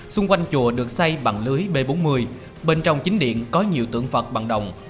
xung quanh chùa được xây bằng lưới b bốn mươi bên trong chính điện có nhiều tượng vật bằng đồng